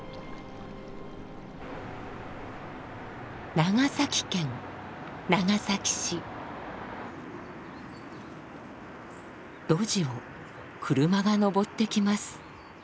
長崎県路地を車が上ってきます。